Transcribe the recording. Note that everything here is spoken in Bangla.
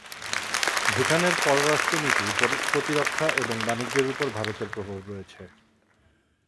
ভুটানের পররাষ্ট্র নীতি, প্রতিরক্ষা এবং বাণিজ্যের উপর ভারতের প্রভাব রয়েছে।